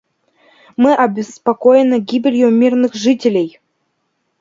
Мы обеспокоены гибелью мирных жителей.